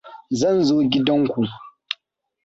Zan zo gidanku.